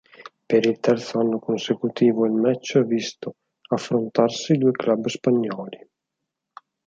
Per il terzo anno consecutivo il match ha visto affrontarsi due club spagnoli.